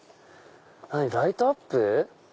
ライトアップ？